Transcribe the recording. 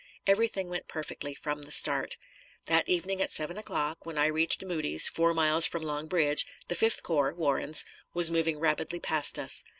Everything went perfectly from the start. That evening at seven o'clock, when I reached Moody's, four miles from Long Bridge, the Fifth Corps (Warren's) was moving rapidly past us.